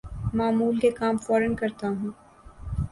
معمول کے کام فورا کرتا ہوں